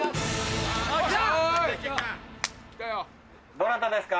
どなたですか？